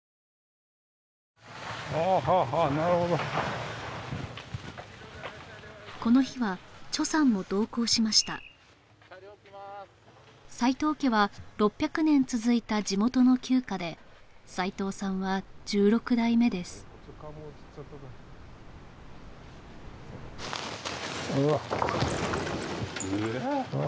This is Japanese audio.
はあはあはあなるほどこの日はさんも同行しました齊藤家は６００年続いた地元の旧家で齊藤さんは１６代目ですうわうわうわ